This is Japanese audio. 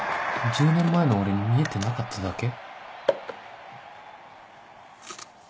１０年前の俺に見えてなかっただけ？